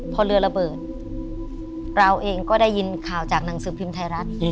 พอเรือระเบิดเราเองก็ได้ยินข่าวจากหนังสือพิมพ์ไทยรัฐ